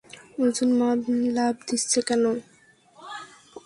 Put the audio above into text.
অর্জুন লাফ দিচ্ছে কেন?